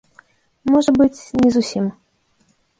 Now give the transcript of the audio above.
Можа быць, не зусім.